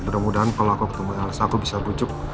mudah mudahan kalau aku ketemu elsa aku bisa bujuk